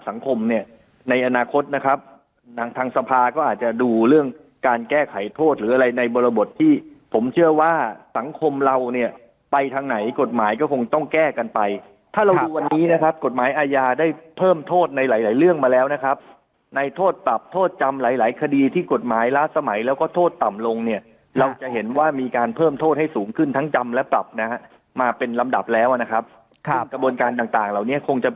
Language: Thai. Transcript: โกงประชาชนร่วมกันเช่าโกงประชาชนร่วมกันเช่าโกงประชาชนร่วมกันเช่าโกงประชาชนร่วมกันเช่าโกงประชาชนร่วมกันเช่าโกงประชาชนร่วมกันเช่าโกงประชาชนร่วมกันเช่าโกงประชาชนร่วมกันเช่าโกงประชาชนร่วมกันเช่าโกงประชาชนร่วมกันเช่าโกงประชาชนร่วมกันเช่าโ